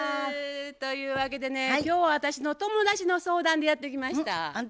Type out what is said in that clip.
というわけでね今日は私の友達の相談でやって来ました。